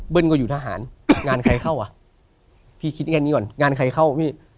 ก็อยู่ทหารงานใครเข้าอ่ะพี่คิดแค่นี้ก่อนงานใครเข้าพี่